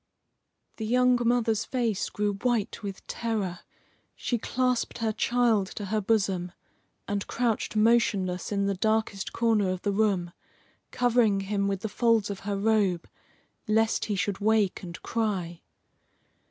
The young mother's face grew white with terror. She clasped her child to her bosom, and crouched motionless in the darkest corner of the room, covering him with the folds of her robe, lest he should wake and cry.